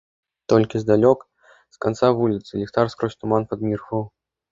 Толькі здалёк, з канца вуліцы, ліхтар скрозь туман падміргваў.